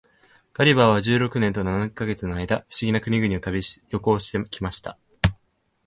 ガリバーは十六年と七ヵ月の間、不思議な国々を旅行して来ました。